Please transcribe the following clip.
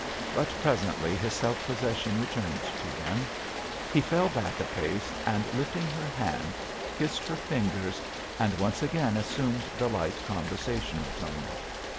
But presently his self possession returned to him. He fell back a pace, and, lifting her hand, kissed her fingers, and once again assumed the light conversational tone.